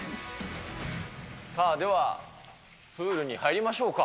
さあ、ではプールに入りましょうか。